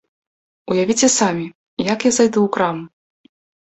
Уявіце самі, як я зайду ў краму?